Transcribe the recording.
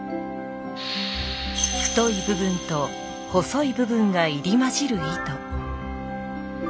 太い部分と細い部分が入り混じる糸。